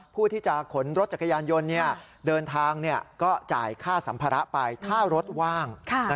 ผู้ที่จะขนรถจักรยานยนต์เดินทางก็จ่ายค่าสัมภาระไปถ้ารถว่าง